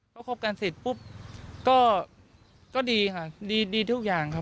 เขาคบกันสิทธิ์ปุ๊บก็ดีค่ะดีทุกอย่างครับ